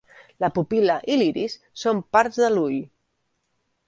La pupil·la i l'iris són parts de l'ull.